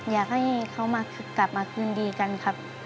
อยากให้เขามากลับมาคืนดีกันครับ